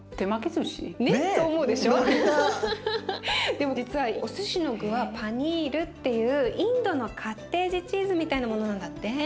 でも実はおすしの具はパニールっていうインドのカッテージチーズみたいなものなんだって。